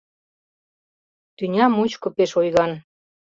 Тӱня мучко пеш ойган: